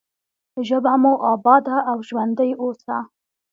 ژبه مو اباده او ژوندۍ اوسه.